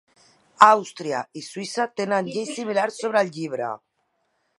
Àustria i Suïssa tenen lleis similars sobre el llibre.